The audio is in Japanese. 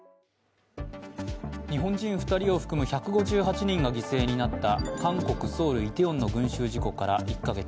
日本人２人を含む１５８人が犠牲になった韓国ソウル・イテウォンの群集事故から１か月。